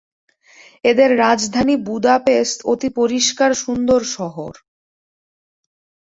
এদের রাজধানী বুডাপেস্ত অতি পরিষ্কার সুন্দর শহর।